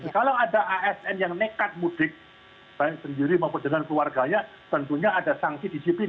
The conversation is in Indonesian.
kalau ada asn yang nekat mudik baik sendiri maupun dengan keluarganya tentunya ada sanksi disiplin